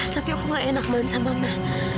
tapi aku gak enak banget sama mama